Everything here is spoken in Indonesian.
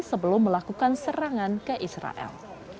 sebelum melakukan serangan ke israel